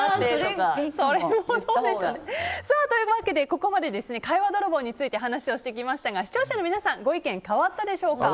ここまで会話泥棒について話をしてきましたが視聴者の皆さんご意見、変わったでしょうか。